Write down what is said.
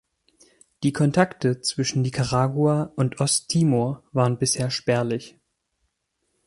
Die Kontakte zwischen Nicaragua und Osttimor waren bisher spärlich.